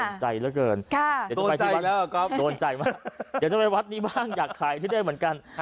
โดนใจเหลือเกินโดนใจมากเดี๋ยวจะไปวัดนี้บ้างอยากขายที่ดิ้นเหมือนกัน